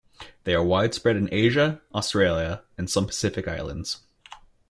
They are widespread in Asia, Australia and some Pacific islands.